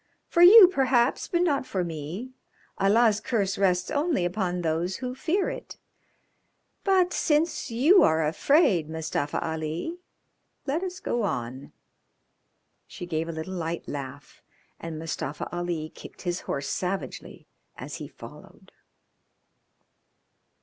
"For you, perhaps, but not for me. Allah's curse rests only upon those who fear it. But since you are afraid, Mustafa Ali, let us go on." She gave a little light laugh, and Mustafa Ali kicked his horse savagely as he followed.